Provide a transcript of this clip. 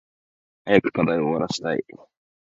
早く課題終わらしたい。